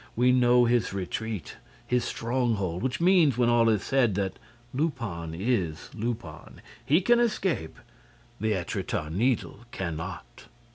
We know his retreat, his stronghold, which means, when all is said, that Lupin is Lupin. He can escape. The Étretat Needle cannot."